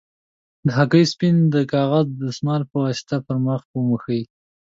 د هګۍ سپین د کاغذي دستمال په واسطه پر مخ وموښئ.